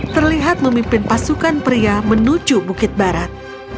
terlihat memimpin pasukan pria menuju bukit barat